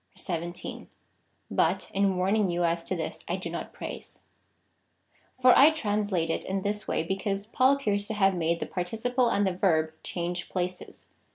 1 7. But, in warning you as to this, I do not praise} For I translate it in this way, because Paul appears to have made the participle and the verb change places.